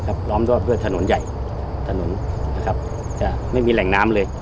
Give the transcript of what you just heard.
พร้อมด้วยถนนใหญ่ถนนนะครับจะไม่มีแหล่งน้ำเลย